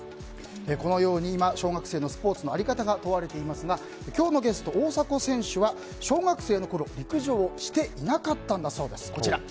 このように今、小学生のスポーツの在り方が問われていますが今日のゲスト、大迫選手は小学生のころ、陸上をしていなかったんだそうです。